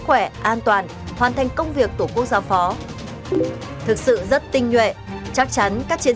khỏe an toàn hoàn thành công việc của quốc gia phó thực sự rất tinh nhuệ chắc chắn các chiến